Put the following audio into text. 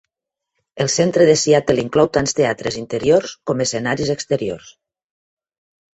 El Centre de Seattle inclou tant teatres interiors com escenaris exteriors.